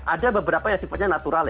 ada beberapa yang sempatnya natural ya